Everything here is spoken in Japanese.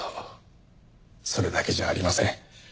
それだけじゃありません。